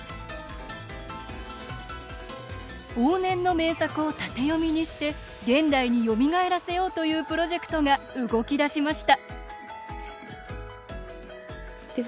往年の名作を縦読みにして現代によみがえらせようというプロジェクトが動き出しました